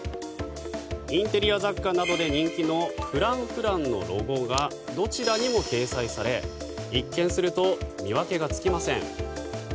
インテリア雑貨などで人気のＦｒａｎｃｆｒａｎｃのロゴがどちらにも掲載され一見すると見分けがつきません。